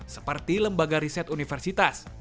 seperti lembaga riset universitas